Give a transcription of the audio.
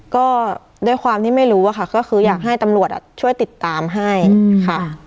ก็ด้วยความที่ไม่รู้อะค่ะก็คืออยากให้ตำรวจช่วยติดตามให้ค่ะ